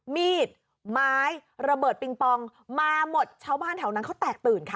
มีดไม้ระเบิดปิงปองมาหมดชาวบ้านแถวนั้นเขาแตกตื่นค่ะ